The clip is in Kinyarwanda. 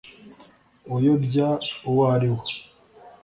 uyobya uwo ari wo